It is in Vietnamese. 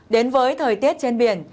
đến với thời tiết trên biển